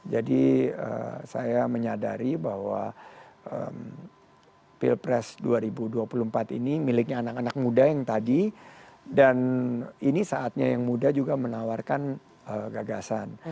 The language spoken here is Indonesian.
jadi saya menyadari bahwa pilpres dua ribu dua puluh empat ini miliknya anak anak muda yang tadi dan ini saatnya yang muda juga menawarkan gagasan